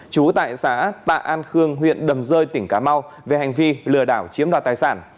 trú tại xã tạ an khương huyện đầm rơi tỉnh cà mau về hành vi lừa đảo chiếm đoạt tài sản